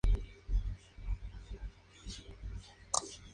Menos probable es que la etimología se remonte a los bagaudas.